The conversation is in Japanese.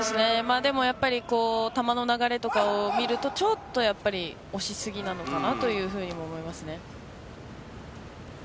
でも球の流れとかを見るとちょっと押しすぎなのかなとも思いますね。